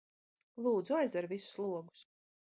Lūdzu aizver visus logus